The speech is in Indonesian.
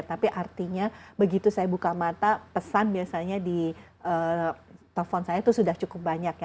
tapi artinya begitu saya buka mata pesan biasanya di telepon saya itu sudah cukup banyak ya